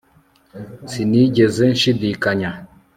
Sinigeze nshidikanya